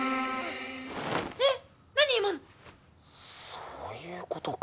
そういうことか。